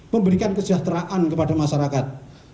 memberikan kejahteraan kepada masyarakat